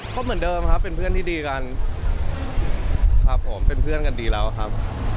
ก็เหมือนเดิมครับเป็นเพื่อนที่ดีกันครับผมเป็นเพื่อนกันดีแล้วครับ